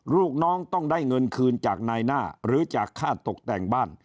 ลูกน้องต้องได้เงินคืนจากนายหน้าหรือจากค่าตกแต่งบ้าน